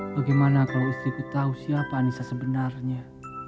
bagaimana kalau istriku tahu siapa anissa sebenarnya